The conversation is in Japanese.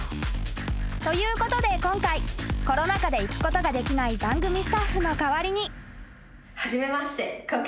［ということで今回コロナ禍で行くことができない番組スタッフの代わりに］